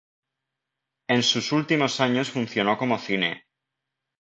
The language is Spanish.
En sus últimos años funcionó como cine.